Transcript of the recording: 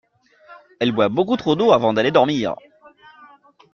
Elle boit trop d’eau avant d’aller dormir.